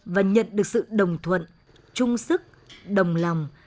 và nhận được sự đồng thuận trung sức đồng lòng